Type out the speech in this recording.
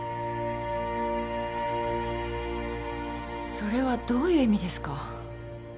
それはどういう意味ですか？